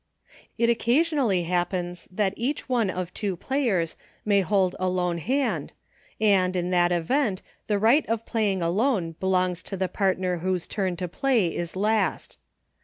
It occasionally happens that each one of two partners may hold a lone hand, and in that event the right of Playing Alone belongs to the partner whose turn to play is last.